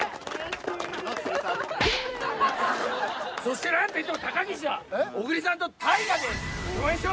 そしてなんといっても高岸は小栗さんと大河で共演してますから！